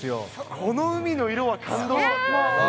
この海の色は感動。